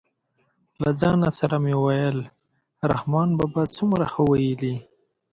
له ځان سره مې ویل رحمان بابا څومره ښه ویلي.